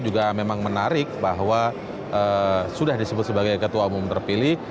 juga memang menarik bahwa sudah disebut sebagai ketua umum terpilih